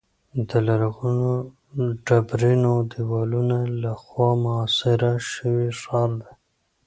د لرغونو ډبرینو دیوالونو له خوا محاصره شوی ښار دی.